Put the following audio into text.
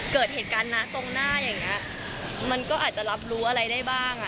เกิดเหตุการณ์นะตรงหน้าอย่างนี้มันก็อาจจะรับรู้อะไรได้บ้างอ่ะ